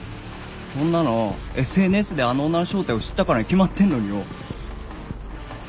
そんなのＳＮＳであの女の正体を知ったからに決まってんのによ。